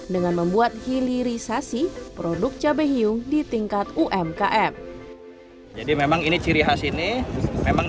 dengan membuat hilirisasi produk cabai hiung di tingkat umkm jadi memang ini ciri khas ini memang